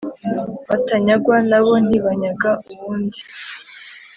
batanyagwa na bo ntibanyaga uwundi